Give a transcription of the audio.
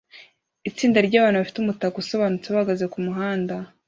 Itsinda ryabantu bafite umutaka usobanutse bahagaze kumuhanda